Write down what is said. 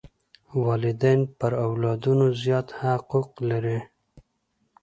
والدین پر اولادونو زیات حقوق لري.